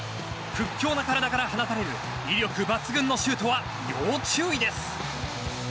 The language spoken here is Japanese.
強靭な体から放たれる威力抜群のシュートは要注意です。